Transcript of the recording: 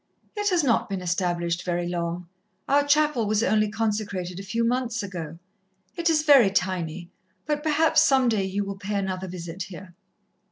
"It has not been established very long. Our chapel was only consecrated a few months ago. It is very tiny, but perhaps some day you will pay another visit here."